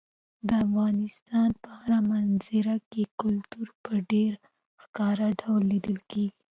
د افغانستان په هره منظره کې کلتور په ډېر ښکاره ډول لیدل کېږي.